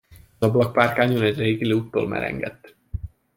Az ablakpárkányon egy régi Lúdtoll merengett.